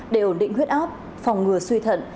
để ổn định huyết áp phòng ngừa suy thận